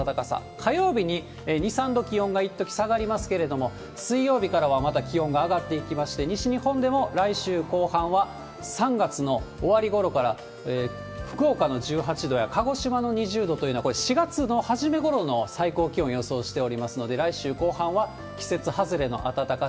火曜日に２、３度、気温がいっとき下がりますけれども、水曜日からはまた気温が上がっていきまして、西日本でも来週後半は、３月の終わりごろから、福岡の１８度や鹿児島の２０度というのは、これ、４月の初めごろの最高気温を予想しておりますので、来週後半は季節外れの暖かさ。